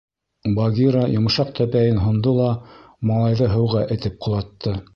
Багира йомшаҡ тәпәйен һондо ла малайҙы һыуға этеп ҡолатты.